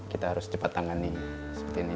kita harus cepat tangani